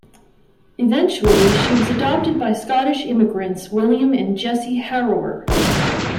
Eventually, she was adopted by Scottish immigrants William and Jessie Harrower.